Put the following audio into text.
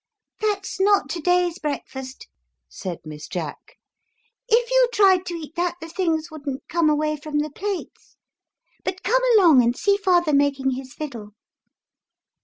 "That's not to day's breakfast," said Miss Jack ;" if you tried to eat that, the things wouldn't come away from the plates. But come along and see father making his fiddle."